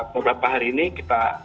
beberapa hari ini kita